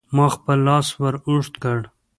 ما خپل لاس ور اوږد کړ.